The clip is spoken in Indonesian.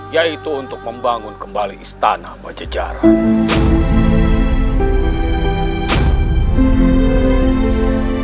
yaitu untuk membangun kembali istana majejara